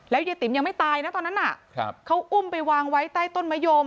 ยายติ๋มยังไม่ตายนะตอนนั้นน่ะเขาอุ้มไปวางไว้ใต้ต้นมะยม